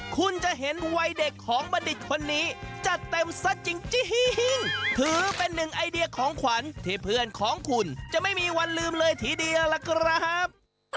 คุณจะเห็นวัยเด็กของบัณฑิตคนนี้จัดเต็มซะจริงถือเป็นหนึ่งไอเดียของขวัญที่เพื่อนของคุณจะไม่มีวันลืมเลยทีเดียวล่ะครับ